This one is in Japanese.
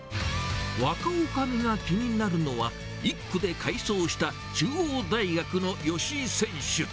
若女将が気になるのは、１区で快走した中央大学の吉居選手。